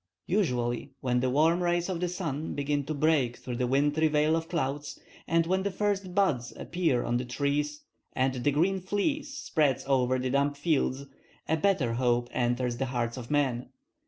Usually when the warm rays of the sun begin to break through the wintry veil of clouds, and when the first buds appear on the trees and the green fleece spreads over the damp fields, a better hope enters the hearts of men.